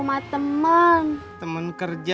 bukan kakak tisna mau kerja